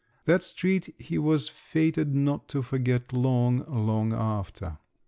That street he was fated not to forget long, long after.